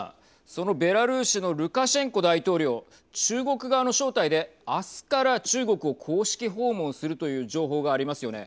そのベラルーシのルカシェンコ大統領中国側の招待で明日から中国を公式訪問するという情報がありますよね。